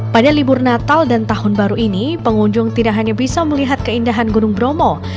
pada libur natal dan tahun baru ini pengunjung tidak hanya bisa melihat keindahan gunung bromo